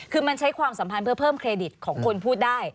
คือมันใช้ความสัมพันธ์เพื่อเพิ่มเครดิตของคนพูดได้